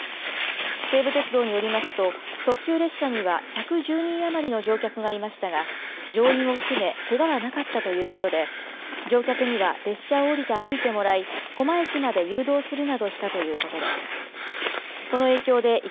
西武鉄道によりますと、特急列車には１１０人余りの乗客がいましたが、乗員を含め、けがはなかったということで、乗客には列車を降りて歩いてもらい、高麗駅まで誘導するなどしたということです。